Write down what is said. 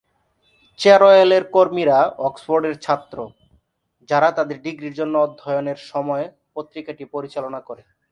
চেরওয়েলের কর্মীরা অক্সফোর্ডের ছাত্র যারা তাদের ডিগ্রির জন্য অধ্যয়নের সময় পত্রিকাটি পরিচালনা করে।